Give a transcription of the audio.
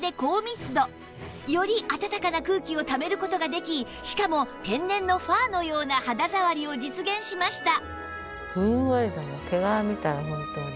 より暖かな空気をためる事ができしかも天然のファーのような肌触りを実現しました